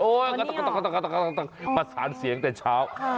ประสานเสียงแต่เช้า